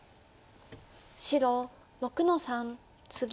白６の三ツギ。